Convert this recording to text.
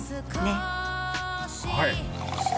はい！